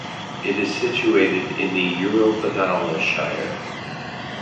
It is situated in the Eurobodalla Shire.